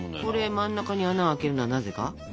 これ真ん中に穴開けるのはなぜか？